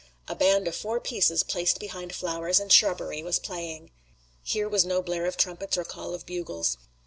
A band of four pieces placed behind flowers and shrubbery was playing. Here was no blare of trumpets or call of bugles.